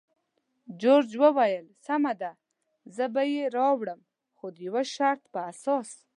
جورج وویل: سمه ده، زه به یې راوړم، خو د یو شرط پر اساس.